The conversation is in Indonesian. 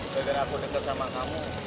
karena aku deket sama kamu